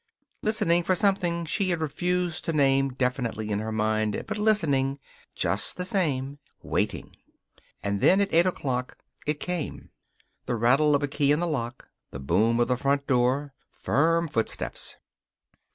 Listening for something she had refused to name definitely in her mind, but listening, just the same; waiting. And then, at eight o'clock, it came. The rattle of a key in the lock. The boom of the front door. Firm footsteps.